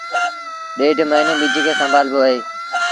ڏيڍ موهيݩون ٻج کي سنڀآ لبو اهي